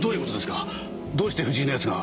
どうして藤井の奴が？